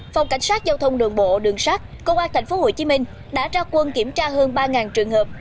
phòng cảnh sát giao thông đường bộ đường sát công an tp hcm đã ra quân kiểm tra hơn ba trường hợp